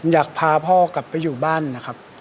อยากพาพ่อกลับไปอยู่บ้านนะครับ